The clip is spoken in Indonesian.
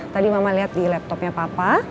tadi mama lihat di laptopnya papa